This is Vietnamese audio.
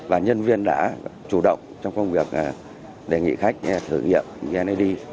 và nhân viên đã chủ động trong công việc đề nghị khách thử nghiệm vneid